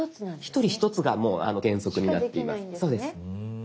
１人１つがもう原則になってます。